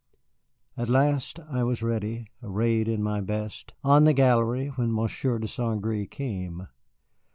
At last I was ready, arrayed in my best, on the gallery, when Monsieur de St. Gré came.